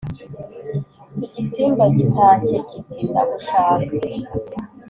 igisimba gitashye kiti:dagushaka